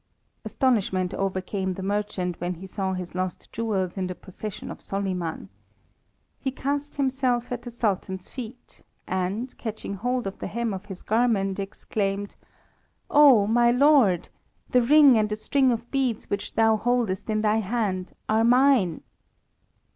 Astonishment overcame the merchant when he saw his lost jewels in the possession of Soliman. He cast himself at the Sultan's feet, and, catching hold of the hem of his garment, exclaimed: "Oh, my lord, the ring and the string of beads which thou holdest in thy hand are mine."